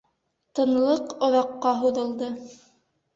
Тынлыҡ оҙаҡҡа һуҙылды.